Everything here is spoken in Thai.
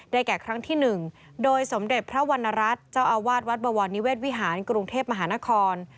แก่ครั้งที่๑โดยสมเด็จพระวรรณรัฐเจ้าอาวาสวัดบวรนิเวศวิหารกรุงเทพมหานคร